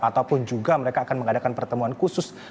ataupun juga mereka akan mengadakan pertemuan khusus